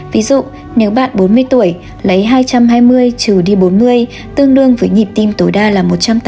ví dụ nếu bạn bốn mươi tuổi lấy hai trăm hai mươi trừ đi bốn mươi tương đương với nhịp tim tối đa là một trăm tám mươi